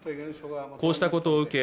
こうしたことを受け